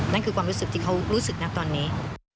นั่นคือความรู้สึกที่เขารู้สึกนะตอนนี้